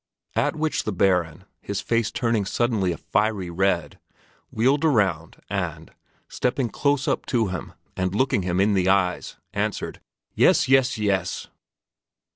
At which the Baron, his face turning suddenly a fiery red, wheeled around and, stepping close up to him and looking him in the eyes, answered, "Yes! Yes! Yes!"